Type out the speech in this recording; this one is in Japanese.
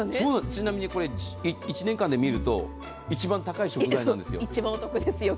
ちなみに１年間で見ると一番高い食材なんですよ。